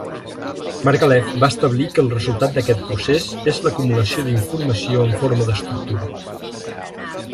Margalef va establir que el resultat d'aquest procés és l'acumulació d'informació en forma d'estructura.